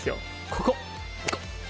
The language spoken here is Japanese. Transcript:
ここ！